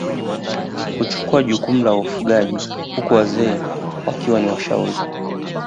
Huchukua jukumu la ufugaji huku wazee wakiwa ni washauri